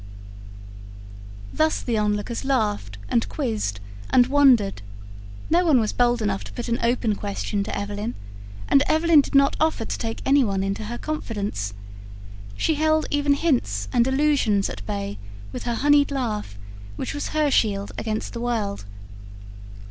Thus the onlookers laughed and quizzed and wondered; no one was bold enough to put an open question to Evelyn, and Evelyn did not offer to take anyone into her confidence. She held even hints and allusions at bay, with her honeyed laugh; which was HER shield against the world.